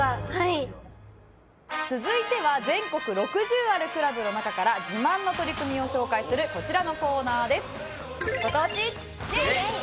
続いては全国６０あるクラブの中から自慢の取り組みを紹介するこちらのコーナーです。